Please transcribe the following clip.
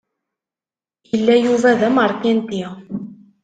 Yella Yuba d ameṛkanti.